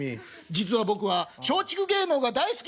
「実は僕は松竹芸能が大好きなんです」。